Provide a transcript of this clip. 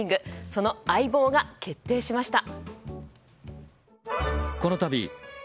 その相棒が決定しました。